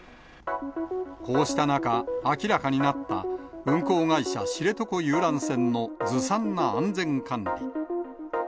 こうした中、明らかになった運航会社、知床遊覧船のずさんな安全管理。